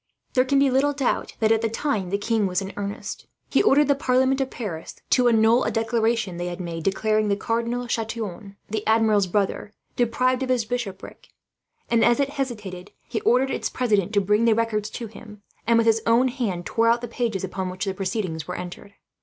There can be little doubt that, at the time, the king was in earnest. He ordered the parliament of Paris to annul a declaration they had made, declaring the Cardinal Chatillon, the Admiral's brother, deprived of his bishopric; and as it hesitated, he ordered its president to bring the records to him, and with his own hand tore out the pages upon which the proceedings were entered.